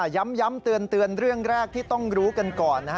ย้ำเตือนเรื่องแรกที่ต้องรู้กันก่อน